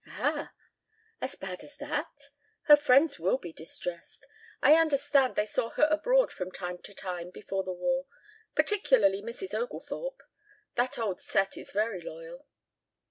"Ah? As bad as that? Her friends will be distressed. I understand they saw her abroad from time to time before the war particularly Mrs. Oglethorpe. That old set is very loyal."